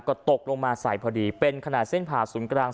ก็ตกลงมาใส่พอดีเป็นขนาดเส้นผ่าศูนย์กลาง